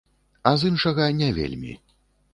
А з іншага не вельмі.